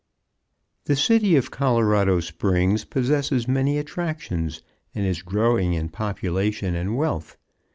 _ The city of Colorado Springs possesses many attractions, and is growing in population and wealth.